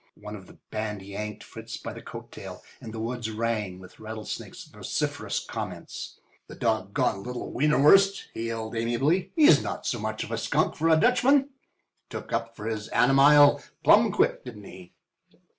One of the band yanked Fritz back by the coat tail, and the woods rang with Rattlesnake's vociferous comments. "The dog goned little wienerwurst," he yelled, amiably. "He's not so much of a skunk, for a Dutchman. Took up for his animile plum quick, didn't he?